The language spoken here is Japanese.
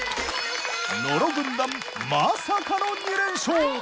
野呂軍団まさかの２連勝。